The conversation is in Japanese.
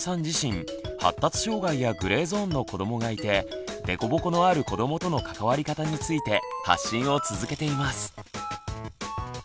自身発達障害やグレーゾーンの子どもがいて凸凹のある子どもとの関わり方について発信を続けています。